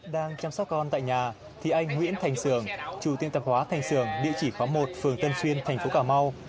đang chăm sóc con tại nhà thì anh nguyễn thành sường chủ tiên tập hóa thành sường địa chỉ khóng một phường tân xuyên thành phố cà mau